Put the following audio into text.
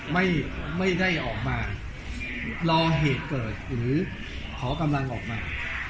ไม่ได้ออกมารอเหตุเกิดหรือขอกำลังออกมา